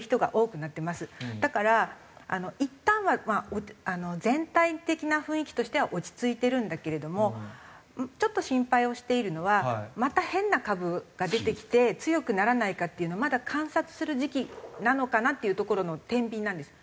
だからいったんは全体的な雰囲気としては落ち着いてるんだけれどもちょっと心配をしているのはまた変な株が出てきて強くならないかっていうのをまだ観察する時期なのかなっていうところのてんびんなんです。